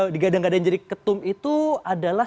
digadang gadang jadi ketum itu adalah